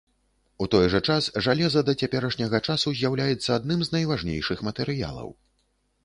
У той жа час жалеза да цяперашняга часу з'яўляецца адным з найважнейшых матэрыялаў.